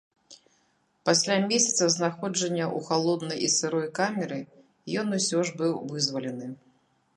Пасля месяца знаходжання ў халоднай і сырой камеры, ён усё ж быў вызвалены.